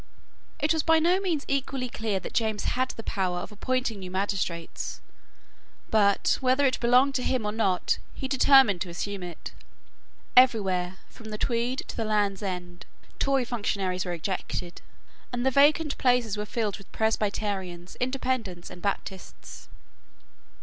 It was by no means equally clear that James had the power of appointing new magistrates: but, whether it belonged to him or not, he determined to assume it. Everywhere, from the Tweed to the Land's End, Tory functionaries were ejected, and the vacant places were filled with Presbyterians, Independents, and Baptists.